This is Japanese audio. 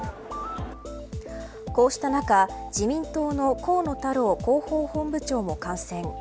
こうした中、自民党の河野太郎広報本部長も感染。